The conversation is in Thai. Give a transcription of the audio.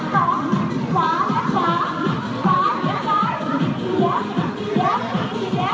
ตอนนี้เราจะพูดให้ดูนะครับพี่เก๋ว